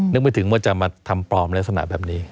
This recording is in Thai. นึกไม่ถึงว่าจะมาทำปลอมลักษณะแบบนี้